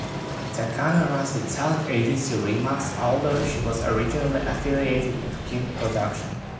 Takano runs the talent agency Remax, although she was originally affiliated with Ken Production.